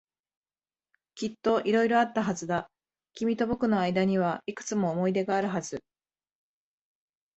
きっと色々あったはずだ。君と僕の間にはいくつも思い出があるはず。